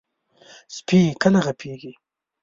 سپي کله غږ کوي.